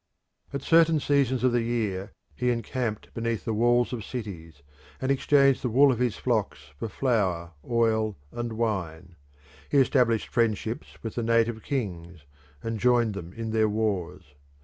At certain seasons of the year he encamped beneath the walls of cities, and exchanged the wool of his flocks for flour, oil, and wine. He established friendships with the native kings, and joined them in their wars.